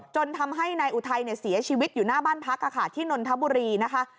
จนทำให้นายอุทัยเสียชีวิตอยู่หน้าบ้านพักที่นนทบุรีนะคะ